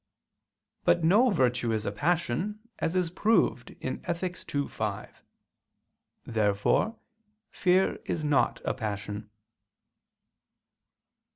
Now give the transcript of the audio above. But no virtue is a passion, as is proved in Ethic. ii, 5. Therefore fear is not a passion.